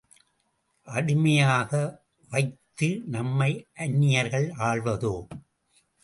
அடிமை யாக வைத்து நம்மை அந்நி யர்கள் ஆள்வதோ?